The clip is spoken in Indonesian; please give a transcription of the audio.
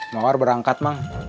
bawar berangkat mang